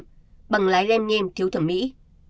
thẳng lái lem nhem thiếu thẩm mỹ